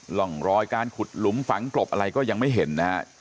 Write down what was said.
ร่องรอยการขุดหลุมฝังกลบอะไรก็ยังไม่เห็นนะฮะ